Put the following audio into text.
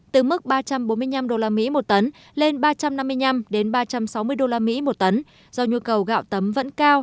từ mức ba trăm bốn mươi năm usd một tấn lên ba trăm năm mươi năm ba trăm sáu mươi usd một tấn do nhu cầu gạo tấm vẫn cao